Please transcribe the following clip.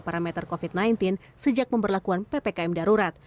parameter covid sembilan belas sejak pemberlakuan ppkm darurat